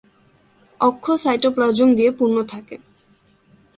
অক্ষ সাইটোপ্লাজম দিয়ে পূর্ণ থাকে।